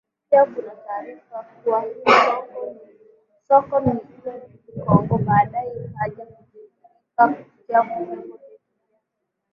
pia kuna taarifa kuwa soko ni KongoBaadae ikaja kudhihirika kupitia vyombo vyetu vya